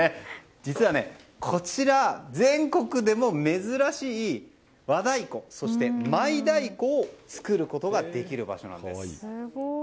実は、こちら全国でも珍しい和太鼓、そしてマイ太鼓を作ることができる場所なんです。